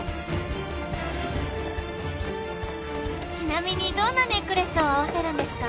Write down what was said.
「ちなみにどんなネックレスを合わせるんですか？